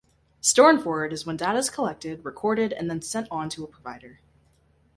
Store-and-forward is when data is collected, recorded, and then sent on to a provider.